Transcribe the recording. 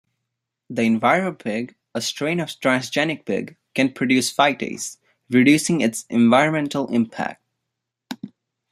The Enviropig, a strain of transgenic pig, can produce phytase, reducing its environmental impact.